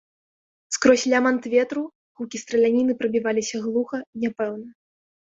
Скрозь лямант ветру гукі страляніны прабіваліся глуха і няпэўна.